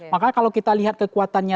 makanya kalau kita lihat kekuatannya